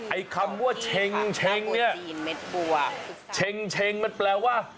ไอคำว่าเช็งเนี่ยเช็งมันแปลว่า